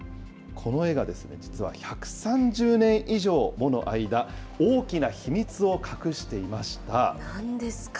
この絵がですね、実は１３０年以上もの間、大きな秘密を隠していなんですか？